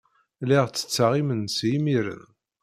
Lliɣ tetteɣ imensi imiren.